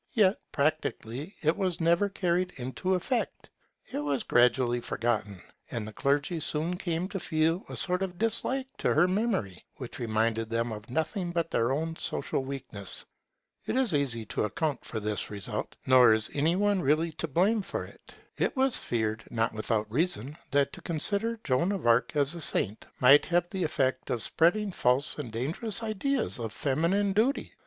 Yet, practically, it was never carried into effect. It was gradually forgotten; and the clergy soon came to feel a sort of dislike to her memory, which reminded them of nothing but their own social weakness. It is easy to account for this result; nor is any one really to blame for it. It was feared, not without reason, that to consider Joan of Arc as a saint might have the effect of spreading false and dangerous ideas of feminine duty.